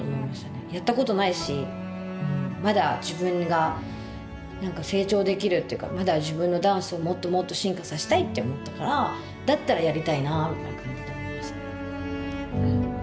やったことないしまだ自分が成長できるっていうかまだ自分のダンスをもっともっと進化させたいって思ったからだったらやりたいなみたいな感じで思いましたね。